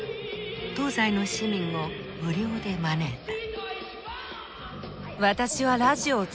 東西の市民を無料で招いた。